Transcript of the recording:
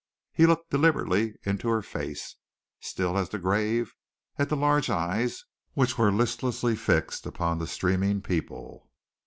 He looked deliberately into her face, still as the grave, at the large eyes, which were listlessly fixed upon the streaming people.